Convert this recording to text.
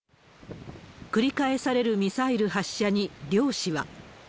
繰り返されるミサイル発射に漁師は。